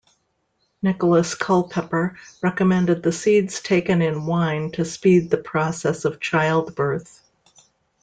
Nicholas Culpeper recommended the seeds taken in wine to speed the process of childbirth.